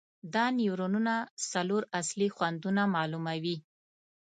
دا نیورونونه څلور اصلي خوندونه معلوموي.